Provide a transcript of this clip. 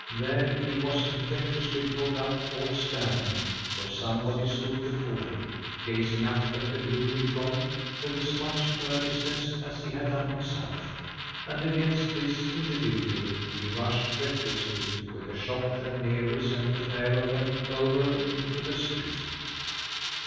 There he was impetuously brought up all standing; for somebody stood before it, gazing up at the gloomy front with as much earnestness as he had done himself, and against this individual he rushed recklessly with a shock that nearly sent the pair of them over into the street.